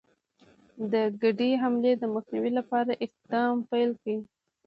د ګډي حملې د مخنیوي لپاره اقدام پیل کړ.